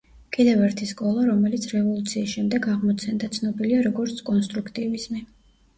კიდევ ერთი სკოლა, რომელიც რევოლუციის შემდეგ აღმოცენდა, ცნობილია როგორც კონსტრუქტივიზმი.